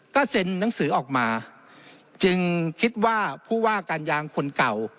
ก็เซ็นหนังสือออกมาจึงคิดว่าผู้ว่าการยางคนเก่า